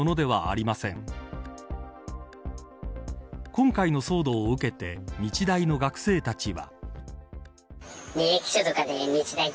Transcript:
今回の騒動を受けて日大の学生たちは。